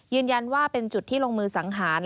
ว่าเป็นจุดที่ลงมือสังหาร